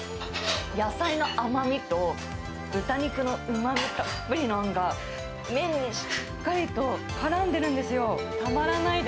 野菜の甘みと、豚肉のうまみたっぷりのあんが、麺にしっかりとからんでるんですよ。